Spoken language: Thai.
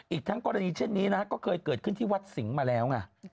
อีกทั้งกรณีเช่นนี้นะฮะก็เคยเกิดขึ้นที่วัดสิงห์มาแล้วไง